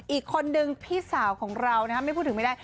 อีกคนนึงพี่สาวของเราไม่พูดถึงไม่ได้